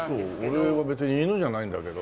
俺は別に犬じゃないんだけど。